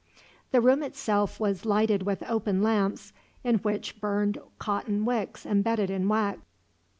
The room itself was lighted with open lamps, in which burned cotton wicks embedded in wax.